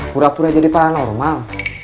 pura pura jadi paranormal